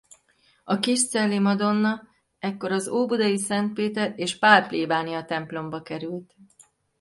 A Kiscelli Madonna ekkor az óbudai Szent Péter és Pál-plébániatemplomba került.